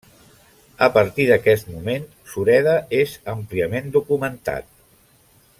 A partir d'aquest moment Sureda és àmpliament documentat.